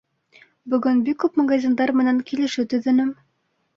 Бөгөн бик күп магазиндар менән килешеү төҙөнөм.